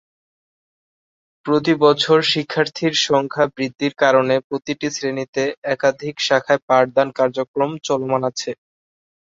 প্রতি বছর শিক্ষার্থীর সংখ্যা বৃদ্ধির কারণে প্রতিটি শ্রেণিতে একাধিক শাখায় পাঠদান কার্যক্রম চলমান আছে।